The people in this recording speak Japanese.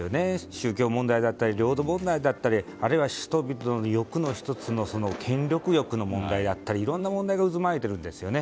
宗教問題だったり領土問題だったりあるいは人々の欲の１つの権力欲の問題だったりいろんな問題が渦巻いているんですよね。